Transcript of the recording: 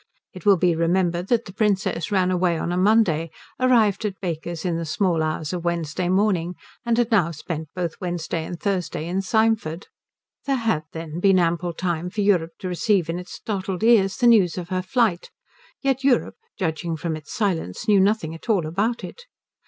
It will be remembered that the Princess ran away on a Monday, arrived at Baker's in the small hours of Wednesday morning, and had now spent both Wednesday and Thursday in Symford. There had, then, been ample time for Europe to receive in its startled ears the news of her flight; yet Europe, judging from its silence, knew nothing at all about it.